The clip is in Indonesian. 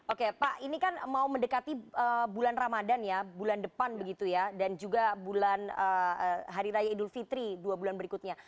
oke pak ini kan mau mendekati bulan ramadan ya bulan depan begitu ya dan juga bulan hari raya idul fitri dua bulan berikutnya